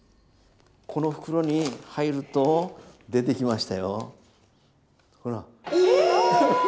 この袋に入ると出てきましたよ。